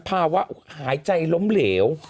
ภาวะหายใจล้มเหลว